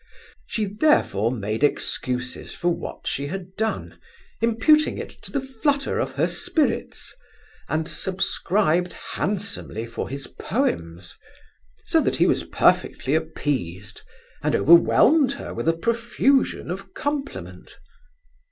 She therefore made excuses for what she had done, imputing it to the flutter of her spirits; and subscribed handsomely for his poems: so that he was perfectly appeased, and overwhelmed her with a profusion of compliment.